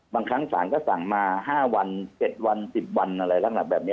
บางครั้งสารก็สั่งมา๕วัน๗วัน๑๐วันอะไรลักษณะแบบนี้